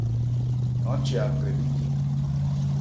Án che Akrɛ nmibhye.